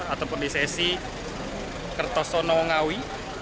ataupun di sesi kertosono ngawi